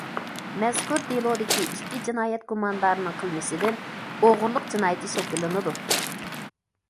مەزكۇر دېلودىكى ئىككى جىنايەت گۇماندارىنىڭ قىلمىشىدىن ئوغرىلىق جىنايىتى شەكىللىنىدۇ.